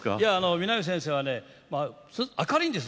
三波先生が明るいんです。